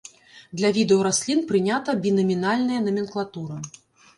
Для відаў раслін прынята бінамінальная наменклатура.